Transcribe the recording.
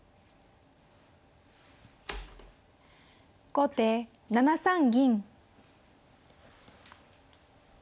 後手７三銀。